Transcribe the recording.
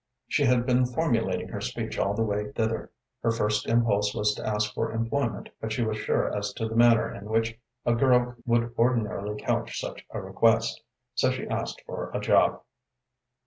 She had been formulating her speech all the way thither. Her first impulse was to ask for employment, but she was sure as to the manner in which a girl would ordinarily couch such a request. So she asked for a job.